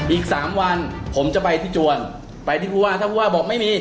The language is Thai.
อีกสามวันผมจะไปที่จวนไปที่ผู้ว่าถ้าผู้ว่าบอกไม่มี